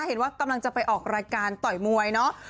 เห็นว่ากำลังจะไปออกรายการต่อยมวยเนอะ